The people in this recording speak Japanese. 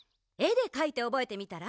でかいておぼえてみたら？